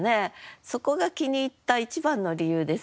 そこが気に入った一番の理由ですね。